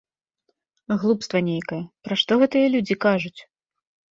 Глупства нейкае, пра што гэтыя людзі кажуць?